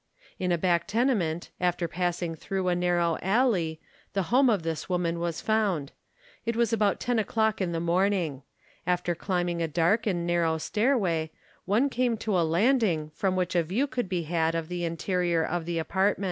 In a back tenement, after passing through a narrow alley, the home of this woman was found. It was about ten o'clock in the morning. After climbing a dark and narrow stairway, one came to a landing from which a view could be had of the interior of the apartment.